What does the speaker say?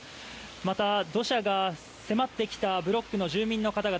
また、土砂が迫ってきたブロックの住民の方々